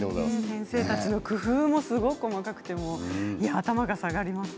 先生たちの工夫も細かくて頭が下がります。